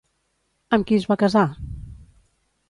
Amb qui es va casar?